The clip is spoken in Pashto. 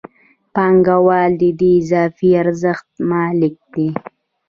پانګوال د دې اضافي ارزښت مالک دی